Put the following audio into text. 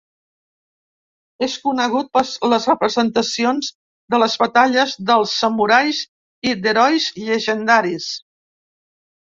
És conegut per les representacions de les batalles dels samurais i d'herois llegendaris.